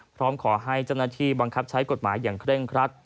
พร้อมขอให้เจ้าหน้าที่บังคับใช้กฎหมายอย่างเคร่งครัด